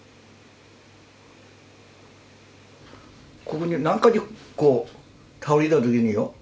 ここになんかでこう倒れたときによ